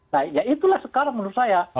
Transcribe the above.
nah ya itulah sekarang menurut saya